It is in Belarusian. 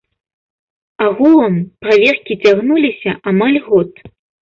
Агулам, праверкі цягнуліся амаль год.